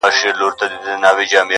• هغه مړ سو اوس يې ښخ كړلو.